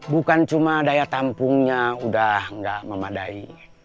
bukan cuma daya tampungnya udah nggak memadai